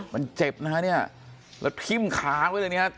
มันเจ็บนะฮะเนี่ยแล้วพิมพ์ขาไว้เลยนะฮะ